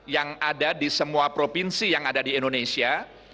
yang ada di semua provinsi yang ada di indonesia